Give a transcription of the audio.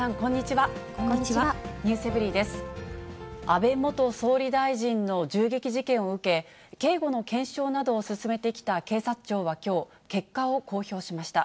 安倍元総理大臣の銃撃事件を受け、警護の検証などを進めてきた警察庁はきょう、結果を公表しました。